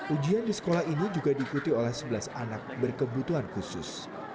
ujian di sekolah ini juga diikuti oleh sebelas anak berkebutuhan khusus